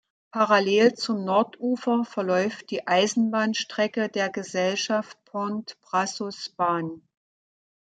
Parallel zum Nordufer verläuft die Eisenbahnstrecke der Gesellschaft Pont–Brassus-Bahn.